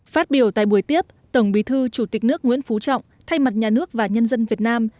phát biểu tại buổi tiếp tổng bí thư chủ tịch nước nguyễn phú trọng thay mặt nhà nước và nhân dân việt nam